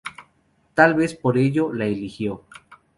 Tal vez por ello la eligió.